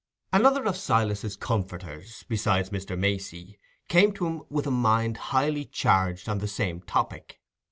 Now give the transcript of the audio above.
Another of Silas's comforters, besides Mr. Macey, came to him with a mind highly charged on the same topic.